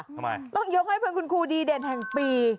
ทำไมต้องยกให้เป็นคุณครูดีเด่นแห่งปี